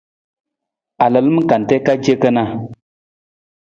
A lalam kante ka ce kana.